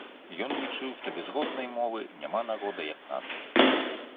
Ён лічыў, што без роднай мовы няма народа як нацыі.